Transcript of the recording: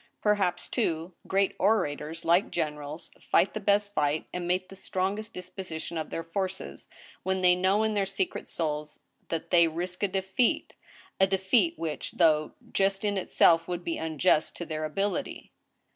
Perhaps, too, great orators, like great generals, fight the best fight, and make the strongest disposi tion of their forces, when they know in their secret souls that they risk a defeat — a defeat which, though just in itself, would be unjust to their ability.